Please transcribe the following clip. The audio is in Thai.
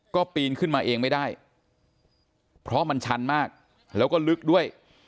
ก็ปีนขึ้นมาเองไม่ได้เพราะมันชันมากแล้วก็ลึกด้วย